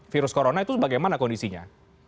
virus corona itu bagaimana kondisinya